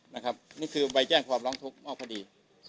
นะครับนี่คือไปแจ้งความร้องทุกข์มอบคดี